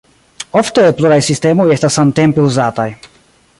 Ofte pluraj sistemoj estas samtempe uzataj.